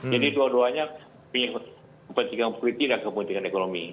jadi dua duanya punya kepentingan politik dan kepentingan ekonomi